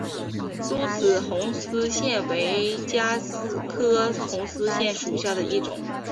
疏齿红丝线为茄科红丝线属下的一个变种。